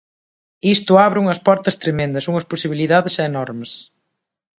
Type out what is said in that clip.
Isto abre unhas portas tremendas, unhas posibilidades enormes.